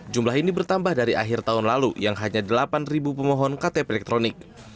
jumlah ini bertambah dari akhir tahun lalu yang hanya delapan pemohon ktp elektronik